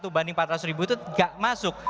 satu banding empat ratus ribu itu gak masuk